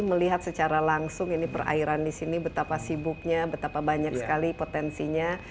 melihat secara langsung ini perairan di sini betapa sibuknya betapa banyak sekali potensinya